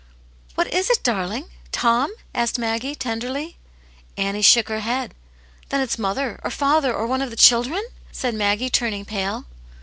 "What is it, darling? Tom?" asked Maggie, tenderly. Annie shook her head. "^Then it's mother — or father — or one of the children,'* said Maggie, turning pale.